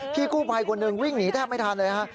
พี่กู้ภัยคนหนึ่งวิ่งหนีแทบไม่ทันเลยฮะ